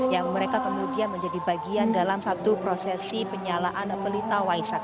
yang mereka kemudian menjadi bagian dalam satu prosesi penyalaan pelita waisak